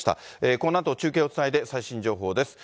このあと中継をつないで最新情報です。